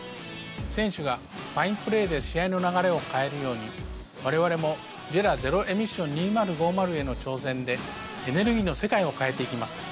選手がファインプレーで試合の流れを変えるように我々もＪＥＲＡゼロエミッション２０５０への挑戦でエネルギーの世界を変えて行きます。